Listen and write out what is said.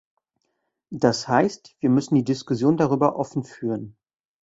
Das heißt, wir müssen die Diskussion darüber offen führen.